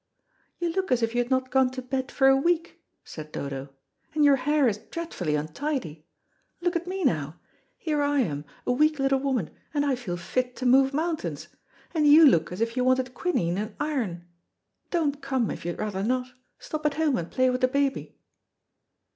"You look as if you had not gone to bed for a week," said Dodo, "and your hair is dreadfully untidy. Look at me now. Here I am a weak little woman, and I feel fit to move mountains, and you look as if you wanted quinine and iron. Don't come, if you'd rather not. Stop at home and play with the baby."